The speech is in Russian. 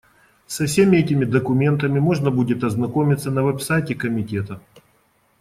Со всеми этими документами можно будет ознакомиться на веб-сайте Комитета.